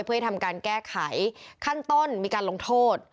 เพื่อให้ทำการแก้ไขขั้นต้นมีการลงโทษ